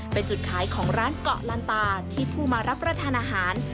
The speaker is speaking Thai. เป็นจุดขายของร้านเกาะลันตาที่ผู้มารับประทานอาหาร